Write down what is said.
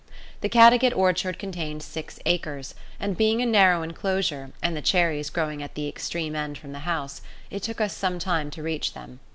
The Caddagat orchard contained six acres, and being a narrow enclosure, and the cherries growing at the extreme end from the house, it took us some time to reach them.